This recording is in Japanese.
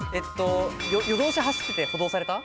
夜通し走ってて補導された。